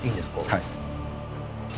はい。